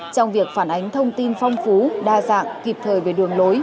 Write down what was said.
trong việc phản ánh thông tin phong phú đa dạng kịp thời về đường lối